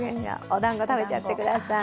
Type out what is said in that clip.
おだんご、食べちゃってください。